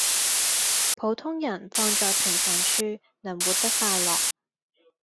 普通人放在平凡處能活得快樂